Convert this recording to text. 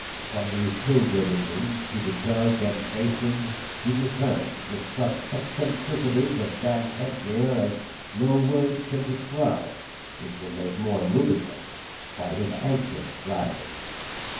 From these pilgrimages to the jug and basin, he returned with such eccentricities of damp headgear as no words can describe; which were made the more ludicrous by his anxious gravity.